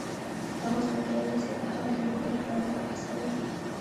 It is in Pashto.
دغو ځانګړنو زه د هغه د لیکنو ژباړې ته وهڅولم.